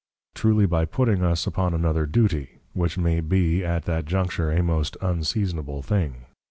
Truly by putting us upon another Duty, which may be at that juncture a most Unseasonable Thing.